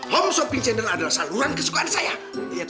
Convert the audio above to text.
home shopping channel adalah saluran kesukaan saya